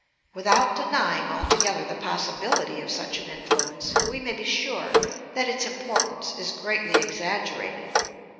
Without denying altogether the possibility of such an influence, we may be sure that its importance is greatly exaggerated.